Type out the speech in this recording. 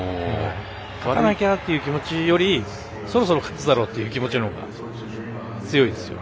勝たなきゃっていう気持ちよりそろそろ勝つだろうっていう気持ちのほうが強いですよ。